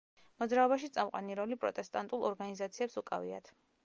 მოძრაობაში წამყვანი როლი პროტესტანტულ ორგანიზაციებს უკავიათ.